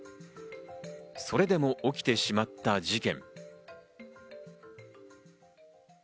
それでも起きてしまった事件。